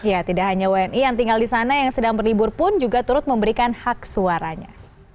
ya tidak hanya wni yang tinggal di sana yang sedang berlibur pun juga turut memberikan hak suaranya